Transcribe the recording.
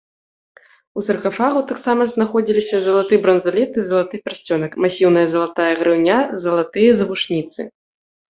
У саркафагу таксама знаходзіліся залаты бранзалет і залаты пярсцёнак, масіўная залатая грыўня, залатыя завушніцы.